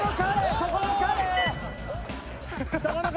そこの彼！